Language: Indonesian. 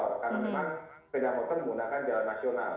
karena memang peda motor menggunakan jalan nasional